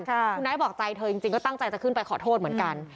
คุณไอ้บอกใจเธอจริงก็ตั้งใจจะขึ้นไปขอโทษเหมือนกัน